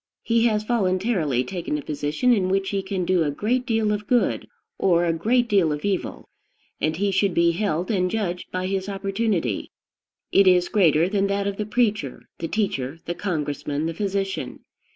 He has voluntarily taken a position in which he can do a great deal of good or a great deal of evil, and he, should be held and judged by his opportunity: it is greater than that of the preacher, the teacher, the congressman, the physician.